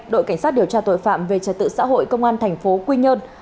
đội cảnh sát điều tra tội phạm về trật tự xã hội công an thành phố quy nhơn